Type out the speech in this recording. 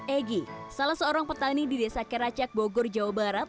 egy salah seorang petani di desa keracak bogor jawa barat